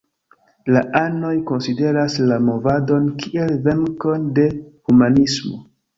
La anoj konsideras la movadon kiel venkon de humanismo.